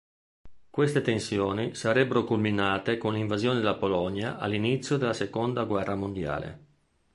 Queste tensioni sarebbero culminate con l'invasione della Polonia all'inizio della seconda guerra mondiale.